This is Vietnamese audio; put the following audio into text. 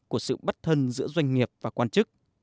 của sự bắt thân giữa doanh nghiệp và quan chức